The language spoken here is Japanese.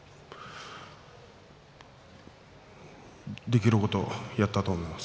できることをやったと思います。